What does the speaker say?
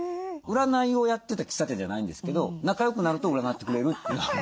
占いをやってた喫茶店じゃないんですけど仲よくなると占ってくれるっていう。